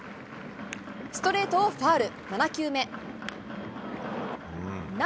ストレートをファウル。